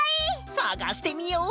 さがしてみよう！